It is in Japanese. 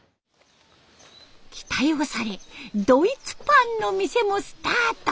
期待をされドイツパンの店もスタート。